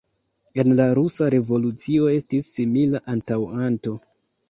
En la rusa revolucio estis simila antaŭanto.